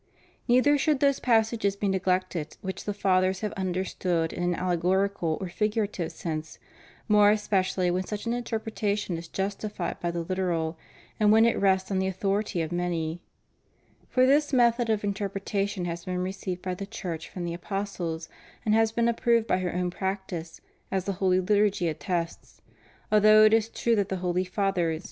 Neither should those passages be neglected which the Fathers have understood in an alle gorical or figurative sense, more especially when such in terpretation is justified by the literal, and when it rests on the authority of many. For this method of interpretation has been received by the Church from the apostles, and has been approved by her own practice, as the holy Liturgy attests; although it is true that the holy Fathers did not * S. Aug. c. Julian, ii. 10, 37.